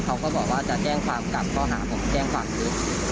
เขาก็บอกว่าจะแจ้งความกลับข้อหาผมแจ้งความคือ